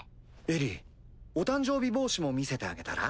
エリィお誕生日帽子も見せてあげたら？